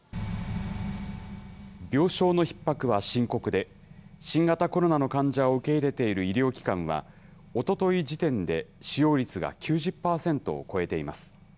病床のひっ迫は深刻で、新型コロナの患者を受け入れている医療機関は、おととい時点で使用率が９０％を超えています。